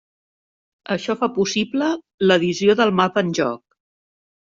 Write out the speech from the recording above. Això fa possible l'edició del mapa en joc.